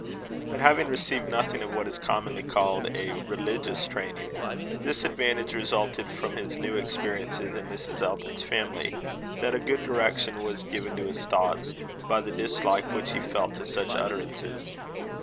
But, having received nothing of what is commonly called a religious training, this advantage resulted from his new experiences in Mrs. Elton's family, that a good direction was given to his thoughts by the dislike which he felt to such utterances.